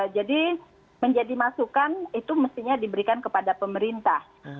jadi menjadi masukan itu mestinya diberikan kepada pemerintah